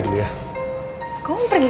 nenek nanti aku pergi